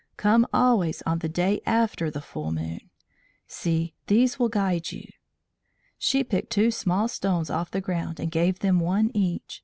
"Come always on the day after the full moon. See these will guide you." She picked two small stones off the ground and gave them one each.